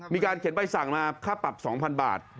มีการเขียนใบสั่งมาค่าปรับ๒๐๐บาท